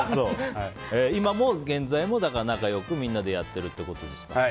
今現在も仲良くみんなでやってるってことですね。